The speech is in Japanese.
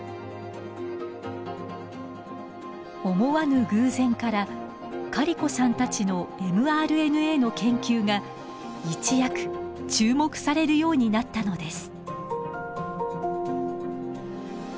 思わぬ偶然からカリコさんたちのｍＲＮＡの研究が一躍注目されるようになったのです。